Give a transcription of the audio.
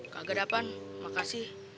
kak gadapan makasih